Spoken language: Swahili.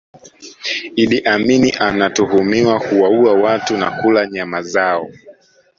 Idi Amin anatuhumiwa kuwaua watu na kula nyama zao